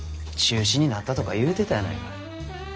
中止になったとか言うてたやないか。